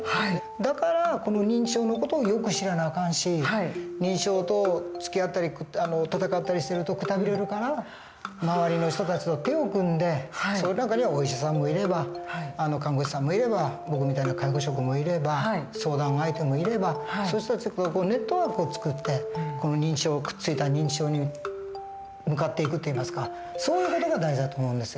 だからこの認知症の事をよく知らなあかんし認知症とつきあったり闘ったりしてるとくたびれるから周りの人たちと手を組んでその中にはお医者さんもいれば看護師さんもいれば僕みたいな介護職もいれば相談相手もいればそういう人たちとネットワークを作ってこのくっついた認知症に向かっていくといいますかそういう事が大事だと思うんですよ。